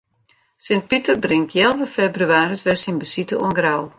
Sint Piter bringt healwei febrewaris wer syn besite oan Grou.